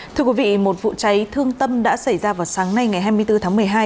thưa quý vị một vụ cháy thương tâm đã xảy ra vào sáng nay ngày hai mươi bốn tháng một mươi hai